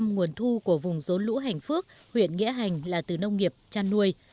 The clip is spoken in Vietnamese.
năm nguồn thu của vùng rốn lũ hành phước huyện nghĩa hành là từ nông nghiệp chăn nuôi